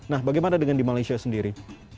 nah bagaimana dengan di malaysia sendiri